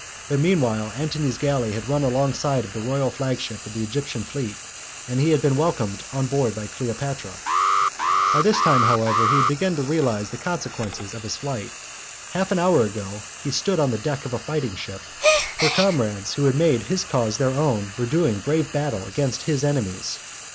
But meanwhile Antony's galley had run alongside of the royal flagship of the Egyptian fleet, and he had been welcomed on board by Cleopatra. By this time, however, he had begun to realize the consequences of his flight. Half an hour ago he had stood on the deck of a fighting ship, where comrades who had made his cause their own were doing brave battle against his enemies.